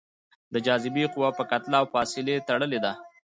د جاذبې قوه په کتله او فاصلې تړلې ده.